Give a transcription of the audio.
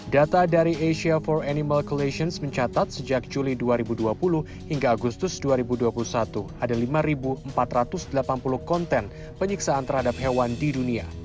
data dari asia for animal collations mencatat sejak juli dua ribu dua puluh hingga agustus dua ribu dua puluh satu ada lima empat ratus delapan puluh konten penyiksaan terhadap hewan di dunia